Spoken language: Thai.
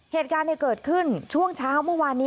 เหตุการณ์เกิดขึ้นช่วงเช้าเมื่อวานนี้